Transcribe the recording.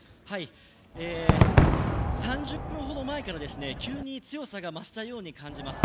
３０分ほど前から急に強さが増したように感じます。